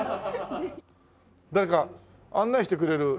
誰か案内してくれる方いる？